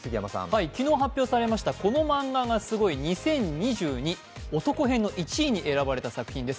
昨日発表されました、「このマンガがすごい！」のオトコ編の１位に選ばれた作品です。